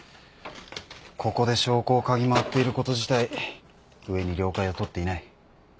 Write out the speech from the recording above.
ここで証拠を嗅ぎ回っていること自体上に了解を取っていない。